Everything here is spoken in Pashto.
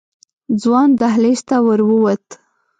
ځوان دهلېز ته ورو ووت.